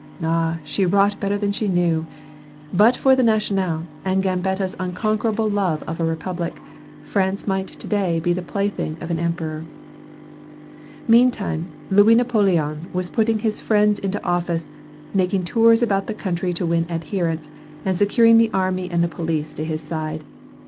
Ah, she wrought better than she knew! But for the "National," and Gambetta's unconquerable love for a republic, France might to day be the plaything of an emperor. Meantime Louis Napoleon was putting his friends into office, making tours about the country to win adherents, and securing the army and the police to his side.